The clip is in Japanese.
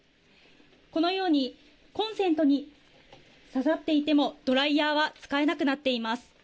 このようにコンセントにささっていても、ドライヤーは使えなくなっています。